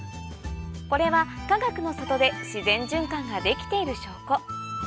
これはかがくの里で自然循環ができている証拠